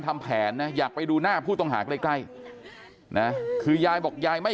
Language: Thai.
ทำแผนนะอยากไปดูหน้าผู้ต้องหาใกล้ใกล้นะคือยายบอกยายไม่